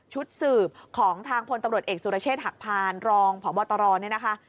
ชุดสืบของทางพลตำรวจเอกสุรเชษฐหักพานรองพบตรเนี่ยนะคะ